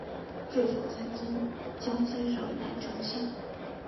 治所在今江西省南城县。